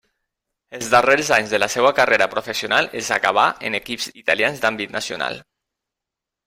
Els darrers anys de la seva carrera professional els acabà en equips italians d'àmbit nacional.